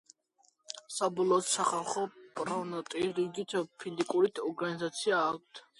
საბოლოოდ, სახალხო ფრონტი რიგით პოლიტიკურ ორგანიზაციად იქცა.